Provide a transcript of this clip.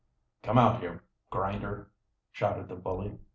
"Come out here, Grinder!" shouted the bully.